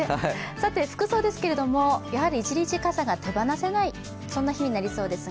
服装ですけれども、やはり一日傘が手放せない、そんな日になりそうですが。